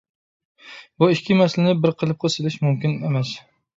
بۇ ئىككى مەسىلىنى بىر قېلىپقا سېلىش مۇمكىن ئەمەس.